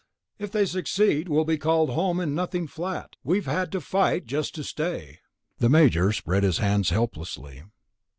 If they succeed, we'll be called home in nothing flat; we've had to fight just to stay." The Major spread his hands helplessly.